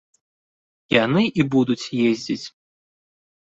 Яны і будуць ездзіць.